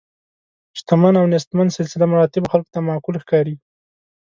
شتمن او نیستمن سلسله مراتبو خلکو ته معقول ښکاري.